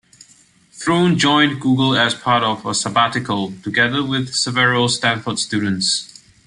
Thrun joined Google as part of a sabbatical, together with several Stanford students.